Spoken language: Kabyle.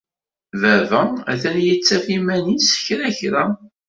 Baba atan yettaf iman-is kra kra.